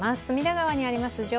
隅田川にあります